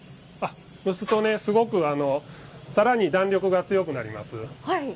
蒸すと、すごくさらに弾力が強くなります。